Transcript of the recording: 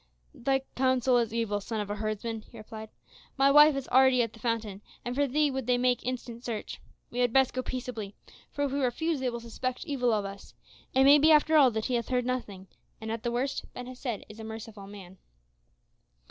"Thy counsel is evil, son of a herdsman," he replied. "My wife is already at the fountain, and for thee would they make instant search. We had best go peaceably, for if we refuse they will suspect evil of us It may be after all that he hath heard nothing; and at the worst, Ben Hesed is a merciful man."